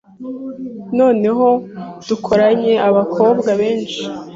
Noneho dukoranye abakobwa benshi